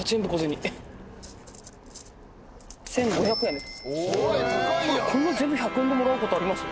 １，５００円です。